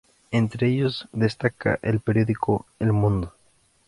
Entre ellos, destaca el periódico "El Mundo".